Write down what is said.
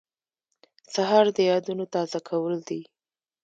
سهار د یادونو تازه کول دي.